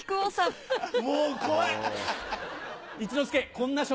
もう怖い。